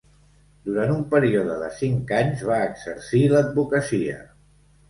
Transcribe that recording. Durant un període de cinc anys va exercir l'advocacia.